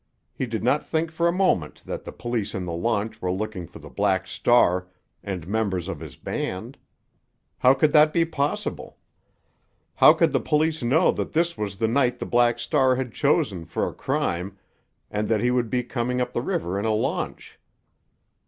He did not think for a moment that the police in the launch were looking for the Black Star and members of his band. How could that be possible? How could the police know that this was the night the Black Star had chosen for a crime and that he would be coming up the river in a launch?